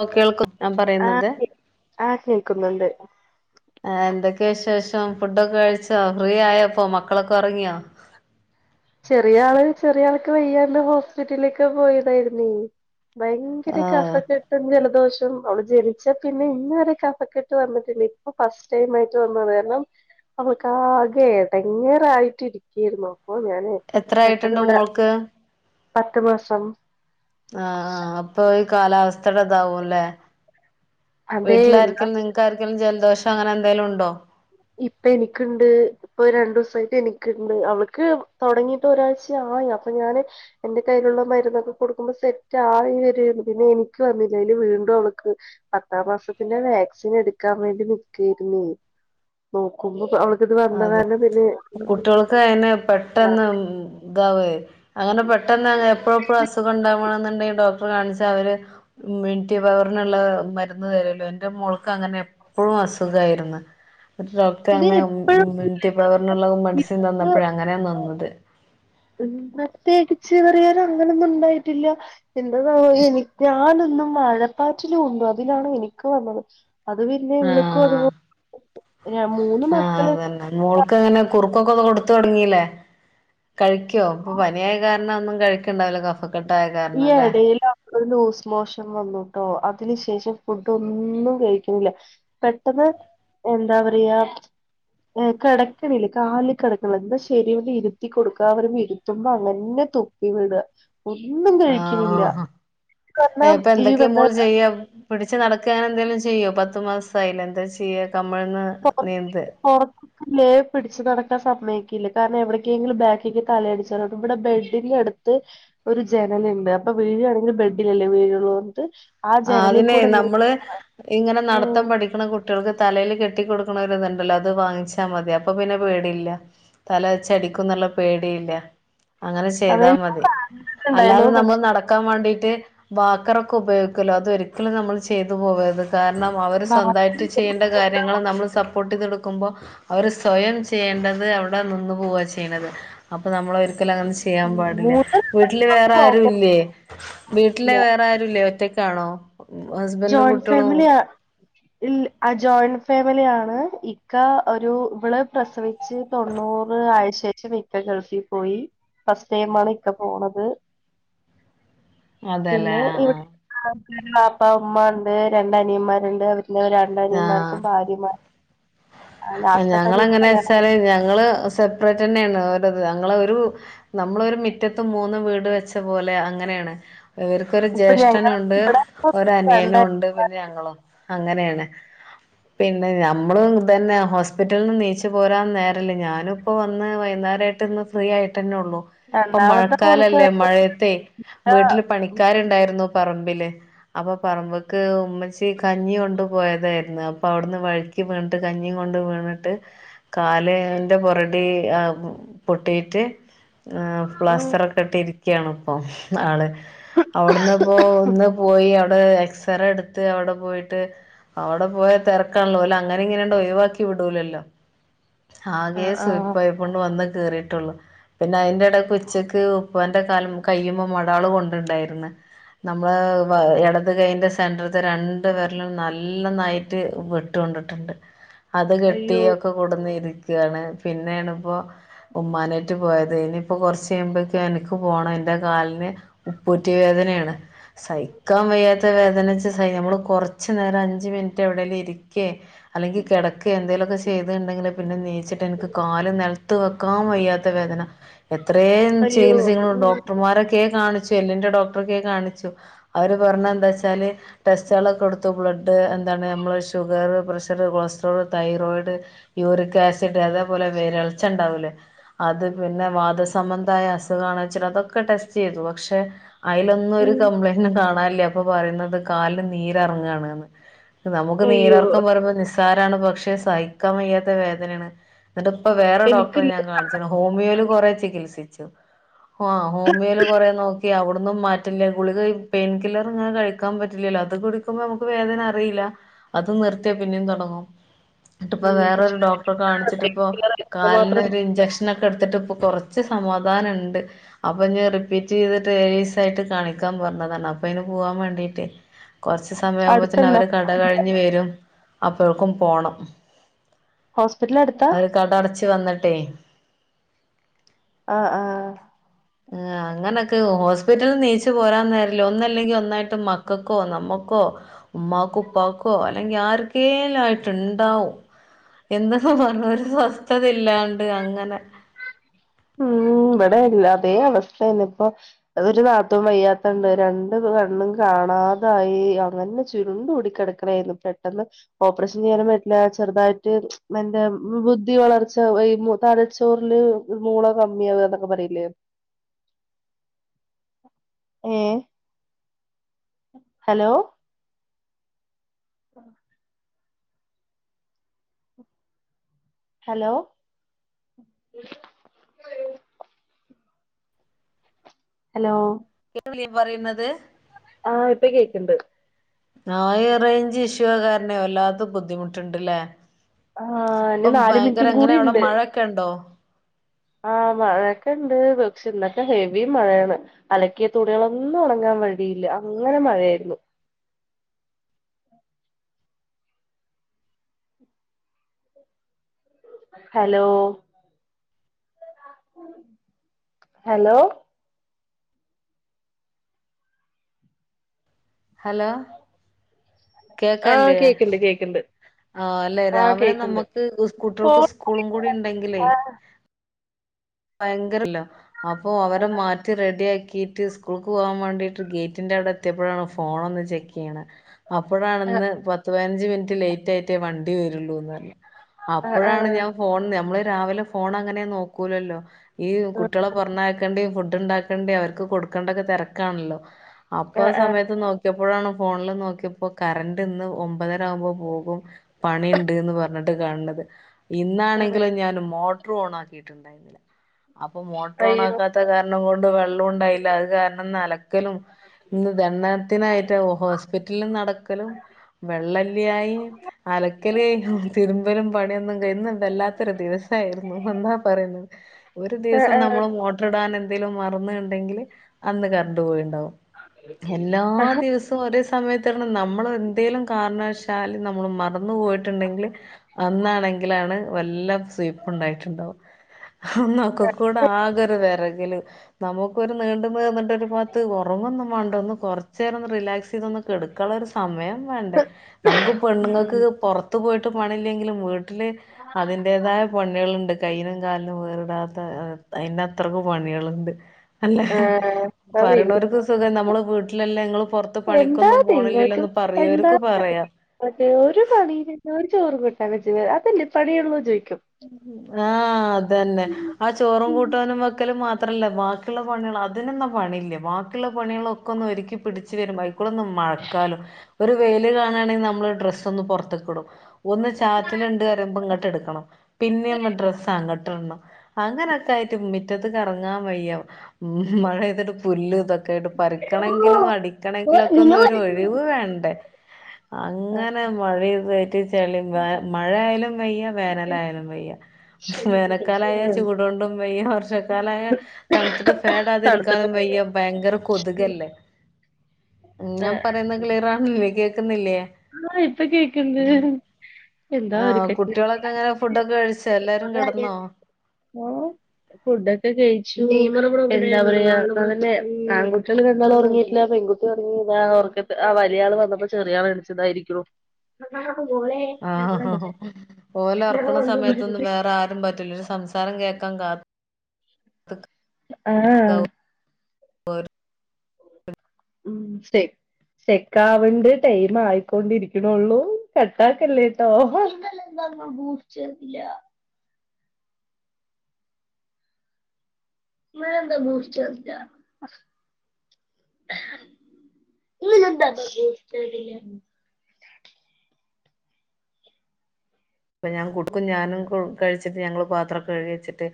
Law കേൾക്കുന്നുണ്ടോ ഞാൻ പറയുന്നത് ആഹ് ആഹ് കേൾക്കുന്നുണ്ട് ഹെ എന്താക്കെ ക്കെ വിശേഷം ഫുഡൊക്കെ കഴിച്ചോ ഫ്രീ ആയപ്പോ മക്കളൊക്കെ ഉറങ്ങിയോ ചെറിയ ആള് ചെറിയ ആൾക്ക് വയ്യാണ്ട് ഹോസ്പിറ്റലിലേക് പോയതായിരുന്നെ ഭയങ്കര ആഹ് കഫക്കെട്ടും ജലദോഷം അവള് ജനിച്ച് പിന്നെ ഇന്നുവരെ കഫക്കെട്ട് വന്നിട്ടില്ല ഇപ്പൊ ഫസ്റ്റ് ടൈം ആയിട്ട് വന്നത കാരണം അവർക്ക് ആകെ ഇടങ്ങേറായിട്ട് ഇരിക്കായിരുന്നു അപ്പൊ ഞാൻ എത്ര പെട്ടന്ന് ആയിട്ടുണ്ട് ഇവിടെ മോൾക്ക് പത്ത് മാസം ആ ആ അപ്പൊ ഈ കാലാവസ്ഥയുടെ ഇതാവുമല്ലേ അതേ വീട്ടില ആരിക്കലും നിങ്ങക്ക ആരിക്കലും ജലദോഷം അങ്ങനെ എന്തെങ്കലും ഉണ്ടോ ഇപ്പൊ എനിണ്ട് ഇപ്പൊ രണ്ടു ദിവസമായിട്ട് എനിക്കുണ്ട് അവൾക്ക് തുടങ്ങിട്ട് ഒരാഴ്ച്ച ആയി അപ്പൊ ഞൻ എന്റെ കയ്യിലുള്ള മരുന്നൊക്കെ കൊടുക്കുമ്പോൾ സെറ്റ് ആയി വരുമയിരുന്നു പിന്നെ എനിക്ക് വന്നില്ലേ അയിൽ പി വീണ്ടും അവക്ക് പത്താം മാസത്തിന്റെ വാക്സിൻ എടുക്കാൻ വേണ്ടി നിക്കായിരുന്നു നോക്കുമ്പോ അവളക്ക് അതെ കുട്ടികൾക്ക് അയനെ പെട്ടെന്ന് ഉ മ് ഇതാവേ അങ്ങനെ പെട്ടെന്ന് എപ്പോഴെപ്പോഴും അസുഖം ഉണ്ടാകുമെങ്കിൽ ഡോക്ടറെ കാണിച്ചാൽ അവർ ഇമ്മ്യൂണിറ്റി പവറിനുള്ള, മര് വിരുന്ന് വരുമ്പോ എന്റെ മോൾക് അങ്ങനെ എപ്പോഴും അസുഖായിരുന്നു എന്നിട്ട് ഡോക്ടർ ഇത് അന്ന് എപ്പഴും ഇമ്മ്യൂണിറ്റി പവറിനുള്ള മെഡിസിൻ തന്നപ്പോഴ അങ്ങനെയാ നിന്നത് മ് പ്രത്യേകിച്ച് പറയാനു അങ്ങനെ ഒന്നും ഉണ്ടായിട്ടില്ല എന്താന്നാവോ എനിക്ക് ന്ന് മഴപ്പാറ്റിലുകൊണ്ടു അതിലാണ്എനിക്ക് വന്നത് അത് പിന്നെ ഇവിളക്കും അതുപോലെ ആ അതന്നെ മോൾക്ക് ങ്ങനെ കുറുക്കൊക്കെ കൊടുത്തു തുടങ്ങില്ലേ കഴിക്കുവോ ഇപ്പൊ പനിയായ കാരണം ഒന്നും കഴിക്കണ്ടാവില്ല കഫക്കെട്ടായ കാരണല്ലേ ഒരു ഊസ്മോശം വന്നുട്ടോ അതിന് ശേഷം ഫുഡ ഒന്നും കഴിക്കുല്ല പെട്ടെന്ന് എന്താ പറയാ കിടക്കണില്ല കാലിൽ കിടക്കണില്ല എന്നാ ശരി ഇരുത്തി കൊടുക്കാ പറയുമ്പോ ഇരുത്തുമ്പോ അങ്ങന്നെ തുപ്പി വിടാ ഇന്നും കഴിക്കുന്നില്ല ആഹ് കാരണം ഈ,,,, [unintelligible] പിടച്ച് നടക്കഅങ്ങനെ എന്തേലും ചെയ്യോ പത്ത് മാസായില്ല എന്താ ചെയ്യ കമ്മഴന്ന് നീന്താ അല്ലേ പിടിച്ച് നടക്കൻ സമ്മതിക്കില്ല കാരണം എവിടക്കെങ്കിലും ബാക്കിക്ക് തലയിടിച്ചാൽ ഇവിടെ ബെഡിൽ കെ ത് ഒരു ജനലിണ്ട് അപ്പൊ വീഴാണെങ്കിൽ ബെഡിലോല്ലോ വീഴോള്ളുപറന്നിട്ട് ആ അതിനെ നമ്മള് ഇങ്ങനെ നടത്തം ഉം പഠിക്കണ കുട്ടികൾക്ക് തലൽ കെട്ട കെട്ടിക്കൊടുക്കുന്നത് ഉണ്ടല്ലോ അത് വാങ്ങിച്ചാൽ മതി അപ്പ പിന്നെ പേടിയില്ല തല വെച്ച് അടിക്കുമെന്നുള്ള പേടി ഇല്ലാ അങ്ങനെ അത് ചെയ്താൽ മതി ഉണ്ടായിരുന്നു അല്ലാതെ പക്ഷെ നമ്മൾ നടക്കാൻ വണ്ടിട്ട് വാക്കർ ഒക്കെ ഉപയോ,,, ക്കാല്ലോ അതൊരിക്കലും നമ്മൾ ചെയ്തു പോവരുത് കാരണം അവർ ബാക്കി സ്വന്തയിട്ട് ചെയ്യേണ്ട കാര്യങ്ങൾ നമ്മൾ സപ്പോർട്ട് ചെയ്തു കൊടുക്കുമ്പോൾ അവര് സ്വയം ചെയ്യേണ്ടത് അവിടെ നിന്ന് പോവാണ് ചെയ്യണത് അപ്പൊ നമ്മൾ, വര് ക്കലും അങ്ങനെ ചെയ്യാൻ പാടില്ല മൂന്ന് വീട്ടിൽ കുഴപ്പമില്ല വേറെയാരുല്ലേ വീട്ടിലെ വേറെയാരുല്ല ഒറ്റക്കാ കാണോ ജോയിന്റ് ഫാമിലി ആ ജോയിന്റ് ഫാമിലിയാണ് ഇക്കാ ഒരു ഇവള് പ്രസവിച്ച് ആയ ശേഷം ഇക്ക ഗൾഫിൽ പോയി ഫസ്റ്റ് ടൈമാണ് ഇക്ക പോണത് [inaudible] അതെല്ലേ പിന്നെ ആ ഇവിടെ വാപ്പ ഉമ്മയുണ്ട് രണ്ട് അനിയന്മാരുണ്ട് അവർക്ക് രണ്ടനിയന്മാർക്കും ഭാര്യമാർ ലാസ്റ്റ് ഞങ്ങൾ തന്നെ എങ്ങനെ കല്യാണം വെച്ചാൽ കഴിഞ്ഞു. ഞങ്ങള് സെപ്പറേറ്റ് തന്നെയാണ് ഞങ്ങൾ ഒരു നമ്മളൊരു മുറ്റത്തും മൂന്നും വീട് വെച്ച പോലെ അങ്ങനെയാണ് ഇവർക്കൊരു ഇപ്പൊ ഞങ്ങൾ ജ്യേഷ്ഠനുണ്ട് ഇവിടെ ഒര നിയനും രണ്ട് ഉണ്ട് പിന്നെ ഞങ്ങളും അങ്ങനെയാണ് പിന്നെ നമ്മളും ഇതന്നെ ഹോസ്പിറ്റലിൽ നിന്ന് നീച്ച് പോരാൻ നേരല്ല ഞാനുംപ്പോ വന്ന് വൈകുന്നേരയിട്ട് ഇന്ന് ഫ്രീ ആയിട്ട നെ ഉള്ളൂ ഇപ്പൊ രണ്ടാമത്തെ മോനിക്ക് മഴക്കാലല്ലേ രണ്ട് മഴയത്തെ കുട്ടിയാ. വീട്ടില് പണിക്കാരുണ്ടായിരുന്നു പറമ്പില് അപ്പൊ പറമ്പക്ക് ഉമ്മച്ചി കഞ്ഞി കൊണ്ട് പോയതായിരുന്നു അപ്പൊ അവിടുന്ന് വൾക്കി വീണിട്ട് കഞ്ഞി വീണിട്ട് കാലന്റെ പുറടി ആ പൊട്ടിയിട്ട് ഉം. പ്ലാസ്റ്ററൊക്കെ ഇട്ട് ഇരികാണ് ഇപ്പോ ആള് അവിടെന്നോന്ന് പോയി അടെ എ സറ എടുത്ത് അവിടെ പോയിട്ട് അവിടെ പോയാ തിരക്കാണല്ലോ ഓല് അങ്ങനെ ഇങ്ങനെയണ്ടോ ഒഴിവാ ക്കിവിടൂലല്ലോ ആ, ആകെ സു ആ. യിപ്പായപ്പോ വന്ന് കേറിയിട്ടുള്ളു പിന്നെ അയിന്റെ എടക്ക് ഉച്ചക്ക് ഉപ്പന്റെ കാലം കയിമേ മടാള് കൊണ്ടുണ്ടായിന്ന് നമ്മള് ഇടത് കൈന്റെ സെന്റെർ ത്തെരണ്ട് വേര്‌ലും നല്ല ണായിട്ട് വെട്ട്കൊണ്ടിട്ടുണ്ട് അത് അയ്യോ കെട്ടിഒക്കെ കൊട്ന്നിര് താണ് പിന്നെയണപ്പോ ഉമ്മാനേറ്റ് പോയത് ഇനിയിപ്പോ കുറച്ച് ചെയ്യുമ്പൊക്കെ എനിക്ക് പോണം എന്റെ കാലിന് ഉപ്പുറ്റി വേദനയാണ് സഹിക്കാൻ വയ്യാത്ത വേദന സ നമ്മള് കുറ ച്ച് നേരം അഞ്ച് മിനിറ്റ് എവിടെ ലും ഇരിക്കെ അല്ലെങ്കി കെടക്കെ എന്തേ ലൊക്കെ ചെയ്ത്ണ്ടെങ്കിൽ പിന്നെ നീച്ചിട്ട് എനിക്ക് കാല് നൽത്ത് വെക്കാൻ വയ്യാത്ത വേദന എത്രയും അയ്യോ ചികിത്സകു ഉം ഡോക്ടർമാരൊക്കെ കാണിച്ചു എല്ലിന്റെ ഡോക്ടർ കാണിച്ചു അവര് പറഞ്ഞെന്താച്ചാല് ടെസ്റ്റുകളൊക്കെ എടുത്തു ബ്ലഡ് നമ്മള് sugar pressure cholesterol thyroid uric acid അതേപോലെ വിരള്ച്ച ഉണ്ടാവൂലേ അത് പിന്നെ വാദസബന്ധമായ അസുഖാണെ ചിലതൊക്കെ ടെസ്റ്റ് ചെയ്തു പക്ഷെ അയിലൊന്നും ഒരു ഉം കംപ്ലയിന്റ് കാണാനില്ലേ അപ്പൊ പറയുന്നത് കാലന് നീരറങ്ങാണ്ന്ന് നമുക്ക് അയ്യോ നീരർക്കം ന്ന്പറയുമ്പോ നിസ്സാരാണ് പക്ഷെ സഹിക്കാൻ വയ്യാത്ത വേദനാണ് എന്നിട്ട് ഇപ്പ വേറെ ഡോക്ടറെ എനിക്കില്ല ഞാൻ കാണിച്ച ഹോമിയോയില് കുറെ ചികിത്സിച്ചു ആ ഹോംമിയോ ല് കൊറേ നോക്കി അവിടു ഒന്നും മാറ്റില്ല ഗുളിക പെയിൻ കില്ലർ ഇങ്ങനെ കഴിക്കാൻ പറ്റില്ലല്ലോ അത് കുടിക്കുമ്പോ നമുക്ക് വേദന അറില്ല അത് നിർത്തിയ പിന്നെ ന്ന്ട്ടിപ്പോ ഉം വേറൊരു പക്ഷെ ഡോക്ടറെ കാണിച്ചിട്ടിപ്പോ കാലിന് മാത്രം ഒരു ഇഞ്ചക്ഷനൊക്കെ എട്ത്തിട്ട് കുറച്ച് സമാധാനണ്ട് അപ്പൊഞ്ഞ് റിപ്പീറ്റ് ചെയ്തിട്ട് ഏഴീ സായിട്ട് കാണിക്കാൻ പറഞ്ഞതാണ് അപ്പ അയ്ന് പോവാൻ വേണ്ടീട്ടെ കുറച്ച് സമയവുമ്പോത്ത്ന് അടുത്തുണ്ടോ അവര് കട കഴിഞ് വരും അപ്പോക്കും പോണം ഹോസ്പിറ്റല് അടുത്താ വന്നിട്ടെ ആഹ ആഹ ആ അങ്ങനൊക്കെ ഹോസ്പിറ്റലില് നീച്ചു പോരാ നേരില്ല ഒന്നല്ലെങ്കി ഒന്നായിട്ട് മക്കക്കോ നമ്മക്കോ ക്കോ ഉമ്മാക്കോ ഉപ്പാക്കോ അല്ലെങ്കി ആർക്കെല്ല ആയിട്ട്ണ്ടാവും എന്ത് പറഞ്ഞ് ഒരു സ്വസ്ഥത ഇല്ലാണ്ട് അങ്ങനെ ഉം ഇവിടെല്ല അതേ അവസ്ഥയന്നെ ഇപ്പൊ ഒരു വാത്തുംവയ്യാത്തണ്ട് രണ്ട് കണ്ണും കാണാതായി അങ്ങനെ ചുരുണ്ടുടിക്കടക്ക്ണേന്നു പെട്ടന്ന് ഓപ്രഷൻ ചെയ്യ പറ്റ്‌ല ചെറുതായിട്ട് എന്റെ ബുദ്ധി വളർച്ച തലച്ചോറർല് മൂള കമ്മിയാവന്നൊക്കെ പറിലേ ഏ ഹലോ [inaudible] ഹലോ അലോ [unintelligible] പറയുന്നത് ആഹ ഇപ്പ കേക്ക്ണ്ട് നായ റേഞ്ച് ഇഷ്യു കാര്ണെ വല്ലാത്ത ബുദ്ധിമുട്ട്ണ്ടല്ലേ? ആഹ് ഇനി അപ്പം നാല് മിനിറ്റും ഭയങ്കര എങ്ങനെ അവിടെ മഴൊക്കെ ണ്ടോ? ആഹ മഴയൊക്കെ ഇണ്ട് പക്ഷെ ഇന്നൊക്കെ ഹെവി മഴയാണ്. അലക്കിയ തുണികളൊന്നും ഒണ ങ്ങാ വഴിയില്ല. അങ്ങനെ മഴയായിരുന്നു. [inaudible] ഹലോ? ഹലോ. ഹലോ. ആഹ് കേക്ക്ണ്ട് കേക്ക്ണ്ട്. ആ അല്ലെ ആഹ് രാവിലെ കേക്ക്ണ്ട് നമ്മുക്ക് കുട്ടിയ ൾക്ക് ഫോൺ സ്കൂളും കൂടി ഇണ്ടെങ്കിലേ ആഹ് ഭയങ്കരല്ല അപ്പൊ അവരെ മാറ്റി റെഡി ആക്കി ഗേറ്റ് സ്കൂളക്ക് പോകാൻ വേണ്ടിട്ട് ഗേറ്റിൻന്റെറെ അവിടെ എത്തിയപ്പോഴാണ് ഫോണ് ഒന്ന് ചെക്കയ്യണ അപ്പോഴാണ് ഇന്ന് പത്ത് പതിനഞ്ച് മിനിറ്റ് ലേറ്റ് ആയിട്ടേ വണ്ടി വരുള്ളൂന്ന് പറഞ്ഞ ആഹ് അപ്പോഴാണ് ആഹ് ഞാൻ ഫോൺ നമ്മള് രാവിലെ ഫോൺ അങ്ങനെ നോക്കൂലല്ലോ ഈ ആഹ് കുട്ടികളെ പർഞ്ഞേക്കണ്ടിയേ ഫുഡ് ഉണ്ടാക്കണ്ടി അവർക്ക് കൊടുക്കേണ്ട ഒക്കെ തെ രക്കാണല്ലോ അപ്പൊ ആ ആഹ് സമയത്ത് നോക്കിയപ്പോ അപ്പോഴാണ് ഫോണ്ല് നോക്കിയപ്പോ കറണ്ട് ഇന്ന് ഒമ്പതര ആമ്പോ പോകും പണിണ്ട്ന്ന് പർഞ്ഞിട്ട് കാണത് ആഹ് ഇന്നാണെങ്കിലോ ഞാൻ മോട്ടർ ഓൺ ആക്കിയിട്ടണ്ടായിരുന്നില്ല. അപ്പൊ മോട്ടർ ഓൺ അയ്യോ ആക്കാത്ത കാരണം കൊണ്ട് വെള്ളം ഉണ്ടായില്ല അത് കാരണം ഇന്നലക്കലും ഇന്ന് ദണ്ണത്തിനായിട്ട് ഹോസ്പിറ്റലിൽ നടക്കലും. വെള്ളല്ലിയായി അലക്കലായി തിരുമ്പലും പണിയൊന്നും ഇന്ന് വല്ലാത്തൊരു ദിവസം. ആയിരുന്നു എന്താ പറയുന്നെ ഒരു ആഹ് ദിവസം ആഹ് നമ്മൾ മോട്ടർ ഇടാൻ എന്തേങ്കിലും മറന്നുണ്ടെങ്കില് അന്ന് കറണ്ട് പോയിണ്ടാവും. എല്ലാ ദിവസവും ഒര് നമ്മൾ എന്തെങ്കലും കാരണവശാല് നമ്മള് മറന്ന് പോയിട്ടുണ്ടെങ്കിൽ അന്നാണെങ്കിലാണ് വല്ലാം സുയ്പ്പ് ഇണ്ടായിട്ടുണ്ടാവും. ന്നൊക്കെ കൂടെ ആകെരു വരകല് നമുക്കൊ ഒരു നീണ്ട എന്നിട്ടൊ ഒരു പാത്ത് ഒർങ്ങൊന്നും മാണ്ട ഒന്ന് കൊർച്ചേരം റിലാക്സെയ്ത് ഒന്ന് കെട്ക്കാനുള്ള രു സമയം. വേണ്ടേ നമുക്ക് ഉം ഉം പെണ്ണുങ്ങൾക്ക് പൊർത്ത് പോയിട്ട് പണില്ലെങ്കിലും വീട്ട അതിന്റതായ പണിയള്ണ്ട് കയ്യിനും കാലി വേറ്ടാത്ത അയ്ന് അത്രക്ക പണികളുണ്ട് അല്ല ആഹ് അത് പിന്നെ പരിണോർക്ക് സുഖം നമ്മള് വീട്ടിലല്ലാം ഇങ്ങള് പൊർത്ത് എന്താ പണിക്കൊന്നും പോണില്ലല്ലോന്ന് പറയവർക്ക് പറയാ അതേ ഒരു പണിന്നെ ഒരു ചോറ് കൂട്ടാനാ അതല്ലേ പണിയുള്ള ചോയിക്കും. ആഹ അതന്നെ ആ ചോറും കൂട്ടാനും വെക്കലും മാത്ര അത്രല്ല ബാക്കിയുള്ള പണികൾ അതിനൊന്നും പണില്ലേ ബാക്കിയുള്ള പണികളൊക്കെ ഒന്ന് ഒരുക്കി പിടിച്ച് വരും അയക്കൂടെന്ന് മ മഴക്കാലം ഒര് വെയില് കാണാണെ നമ്മള് ഡ്രസ്സ്‌ ഒന്ന് പൊർത്ക്ടും ഒന്ന് ചാറ്റൽ ണ്ട്‌ മ്പ ഇങ്ങട്ട് എടുക്കണം. പിന്നേം ഡ്രസ്സ് അങ്ങിട്ടണം അങ്ങനൊക്കെ ആയിട്ട് മിറ്റത്ത്ക്ക് എറങ്ങാൻ വയ്യാ ഉം മഴ പെയ്തിട്ട് പുല്ല് ഇതൊ ക്കട്ട് പറിക്കണങ്കിലും അടിക്കണെങ്കിലൊക്കെ ഒന്ന് ഒര് ഒഴിവ് വേണ്ടേ അങ്ങനെ വഴി തെറ്റ ചെളിയ വ മഴയാലും വെയ്യ വേനലായാലും. വയ്യ വേനക്കാലായ ചൂടണ്ടും വയ്യ വർഷക്കാലയ തണുത്തിട്ട് ഫേൻ ഇ ക്കാൻ വയ്യ ഭയകര കൊത്ക് അല്ലേ ഞാൻ പറയുന്നെ ക്ലിയർ ആനില്ലേ കേക്കുന്നില്ലേ? ആഹ് ഇപ്പൊ കേക്കുണ്ട്. ആഹ് കുട്ടികളൊക്കെ അങ്ങനെ ഫുഡൊക്കെ കഴിച്ച എല്ലാരും കിടന്നോ ആ ഫുഡ് ഒക്കെ കഴിച്ചു. എാ പറയ ആൺകുട്ടികൾ രണ്ടാളും ഒറങ്ങിട്ടില്ലാ പെൺകുട്ടി ഉറങ്ങിയതാ ആ വലിയയാള് വന്നപ്പോ ചെറിയ ആള് മേടിച്ചതായിരിക്ക്ണ് ആ ഓലെ ഒറക്കണ സമയത്തൊന്നും വേറെ ആരും പറ്റില്ല ഒരു സംസാരം കേ കംഗാ ആഹ് [unintelligible] ഉം ശേ ചെക്ക് ആവണ്ട് ടൈമ് ആയിക്കൊണ്ടിരിക്കണള്ളൂ കട്ടാക്കല്ലേട്ടോ [unintelligible] [unintelligible] [unintelligible] അപ്പൊ ഞാൻ കൊടുക്കും ഞാനും കഴിച്ചിട്ട് ഞങ്ങള് പാത്രം കഴുകിവെച്ചിട്ട്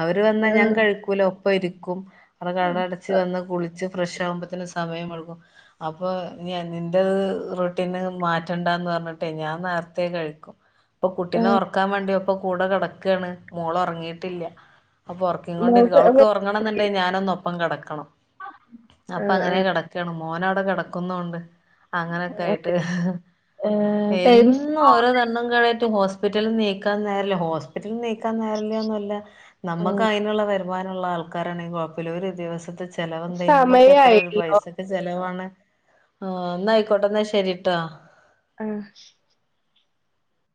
അവര് വന്നാ ഞാൻ ആഹ് കഴിക്കൂല ഒപ്പം ഇരിക്കും അവരടെ കട അടച്ച് വന്ന് കുളിച്ച് ഫ്രഷ് ആകുമ്പോത്തന്ന് സമയംടുക്കും അപ്പൊ നിന്റെ റുട്ടീന് മാറ്റണ്ടാന്ന് പറഞ്ഞിട്ടേ ഞാൻ നേരത്തെ കഴി ക്കും അപ്പൊ കുട്ടിനെ ആഹ് ഉറക്കാൻ വേണ്ടിയപ്പൊ കൂടെ കിടക്കയാണ് മോള് ഉറങ്ങിയിട്ടില്ല അപ്പൾ ഉറക്കി കൊണ്ടിരിക്കും മോൾക്ക് അവൾക്ക് ആഹ് ഉറങ്ങണം എന്നുണ്ടെ ഞാനൊന്നു ഒപ്പം കിടക്കണം അപ്പൊ അങ്ങനെ കിടക്കാണ് മോന് അവിടെ കിടക്കുന്നുണ്ട് അങ്ങനെയൊക്കെ ആഹ് ആയിട്ട് ടൈംസ് എന്നും ഓരോ ദണ്ണും തൊക്കെയിട്ട് ഹോസ്പിറ്റല നീക്കാൻ നേരല്ലാ ഹോസ്പിറ്റൽ നിക്കാൻ നേരല്ലാന്ന് അല്ല നമ്മുക്ക് അതിനുള്ള വരുമാനംമുള്ള ആൾക്കാരാണേ കുഴപ്പല്ലാ ഒരു ദിവസത്തെ ചി ചെലവ് കഴി ഇന്നൊക്ക എത്ര സമയായില്ലോ പൈസക്ക് ചെലവാണേ ആഹ് എന്ന ആയിക്കോട്ടെ എന്നാ ശരിട്ടാ ആഹ്